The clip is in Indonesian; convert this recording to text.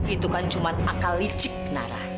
itu kan cuma akal licik nara